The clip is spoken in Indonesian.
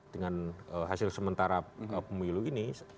dengan hasil sementara pemilu ini